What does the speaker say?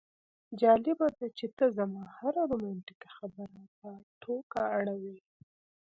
جالبه ده چې ته زما هره رومانتیکه خبره په ټوکه اړوې